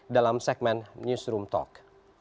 dalam segmen newsroom talk